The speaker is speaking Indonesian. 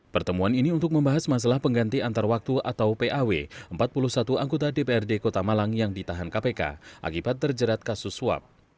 pertemuan ini untuk membahas masalah pengganti antar waktu atau paw empat puluh satu anggota dprd kota malang yang ditahan kpk akibat terjerat kasus suap